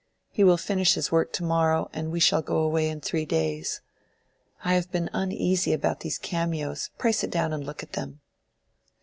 He will finish his work to morrow, and we shall go away in three days. I have been uneasy about these cameos. Pray sit down and look at them."